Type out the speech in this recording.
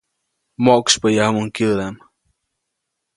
Moʼksypyäyajuʼumuŋ kyäʼdaʼm.